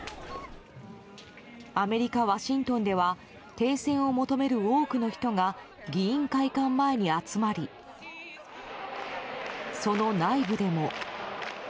アメリカ・ワシントンでは停戦を求める多くの人が議員会館前に集まりその内部でも。